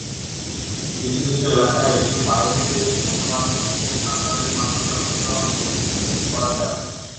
কিছু কিছু এলাকায় এটি পায়ে হেঁটে অথবা ছোট সাঁতারের মাধ্যমে অতিক্রম করা যায়।